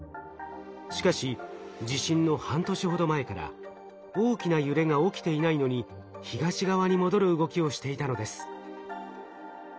しかし地震の半年ほど前から大きな揺れが起きていないのに東側に戻る動きをしていたのです。